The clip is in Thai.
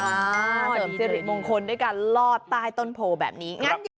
เสริมสิริมงคลด้วยการลอดใต้ต้นโพแบบนี้